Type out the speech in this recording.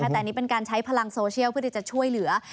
แต่อันนี้เป็นการใช้พลังโซเชียลเพื่อที่จะช่วยเหลือ